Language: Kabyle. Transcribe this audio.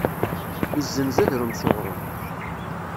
Izzenz adrum s uɣrum.